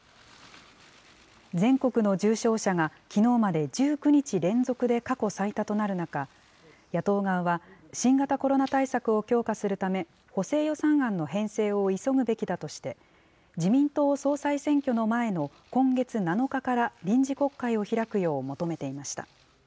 全国の重症者が、きのうまで１９日連続で過去最多となる中、野党側は、新型コロナ対策を強化するため、補正予算案の編成を急ぐべきだとして、自民党総裁選挙の前の今月７日から、臨時国会を開くよう求めていました。